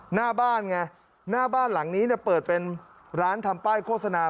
หน้าบ้านไงหน้าบ้านหลังนี้เนี่ยเปิดเป็นร้านทำป้ายโฆษณา